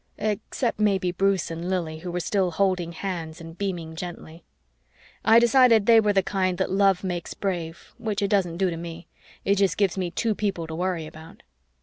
Except maybe Bruce and Lili, who were still holding hands and beaming gently. I decided they were the kind that love makes brave, which it doesn't do to me. It just gives me two people to worry about.